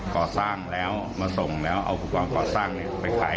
ก่อสร้างแล้วมาส่งแล้วเอาอุปกรณ์ก่อสร้างไปขาย